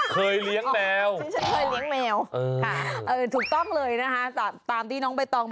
เคยเลี้ยงแมวฉันเคยเลี้ยงแมวถูกต้องเลยนะคะตามที่น้องใบตอง